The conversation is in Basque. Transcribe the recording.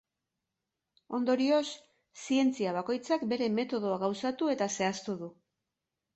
Ondorioz, zientzia bakoitzak bere metodoa gauzatu eta zehaztu du.